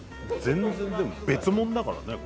全然でも別物だからね